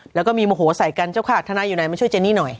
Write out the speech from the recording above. แล้วก็มีโมโหใส่กันเจ้าขาดทนายอยู่ไหนมาช่วยเจนี่หน่อย